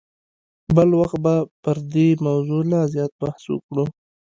بل وخت به پر دې موضوع لا زیات بحث وکړو.